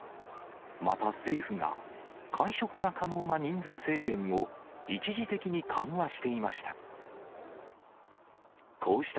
また政府が、会食が可能な人数制限を一時的に緩和していました。